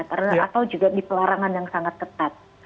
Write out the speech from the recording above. karena asal juga di pelarangan yang sangat ketat